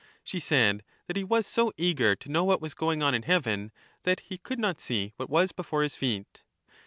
She said, that he was so eager to know what was going on in heaven, that he could not see what was before his feet.